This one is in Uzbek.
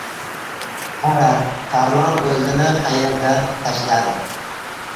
— Qara, Tarlon o‘zini qa- yerdan tashladi!